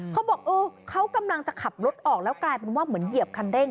เขาบอกเออเขากำลังจะขับรถออกแล้วกลายเป็นว่าเหมือนเหยียบคันเร่ง